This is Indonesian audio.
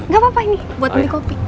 gapapa ini buat beli kopi